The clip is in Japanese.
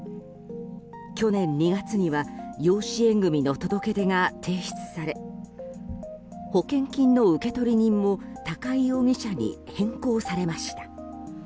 去年２月には養子縁組の届け出が提出され保険金の受取人も高井容疑者に変更されました。